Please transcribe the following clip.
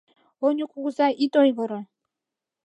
Оньо кугызай, ит ойгыро.